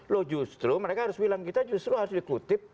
loh justru mereka harus bilang kita justru harus dikutip